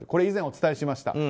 以前お伝えしました。